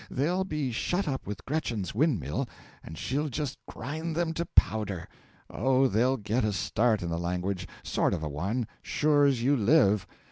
They'll be shut up with Gretchen's windmill, and she'll just grind them to powder. Oh, they'll get a start in the language sort of a one, sure's you live.